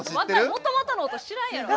もともとの音知らんやろ。